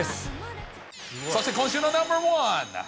そして、今週のナンバー１。